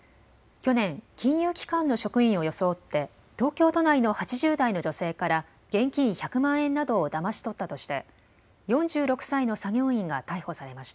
去年、金融機関の職員を装って東京都内の８０代の女性から現金１００万円などをだまし取ったとして４６歳の作業員が逮捕されました。